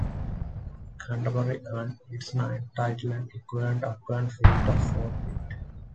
Canterbury earned it's ninth title and equalled Auckland's feat of a fourpeat.